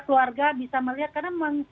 keluarga bisa melihat karena